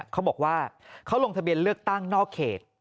เขาบอกว่าเขาลงทะเบียนเลือกตั้งนอกเขต